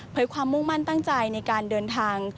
ความมุ่งมั่นตั้งใจในการเดินทาง